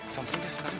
sampai udah sekarang